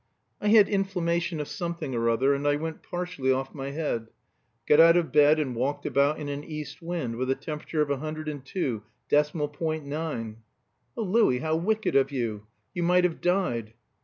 "I had inflammation of something or other, and I went partially off my head got out of bed and walked about in an east wind with a temperature of a hundred and two, decimal point nine." "Oh, Louis, how wicked of you! You might have died!"